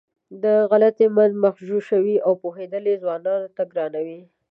دا غلطۍ متن مغشوشوي او پوهېدل یې ځوانانو ته ګرانوي.